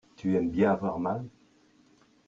tu aimes bien avoir mal.